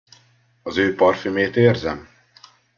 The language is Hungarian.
Az ő parfümét érzem?